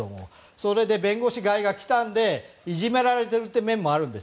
それで弁護士以外が来たのでいじめられているという面もあるんです。